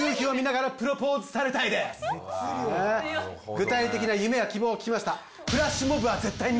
具体的な夢や希望を聞きましたああ確かにね・